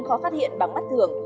khó phát hiện bằng mắt thường